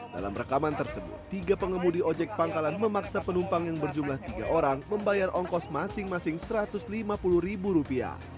dalam rekaman tersebut tiga pengemudi ojek pangkalan memaksa penumpang yang berjumlah tiga orang membayar ongkos masing masing rp satu ratus lima puluh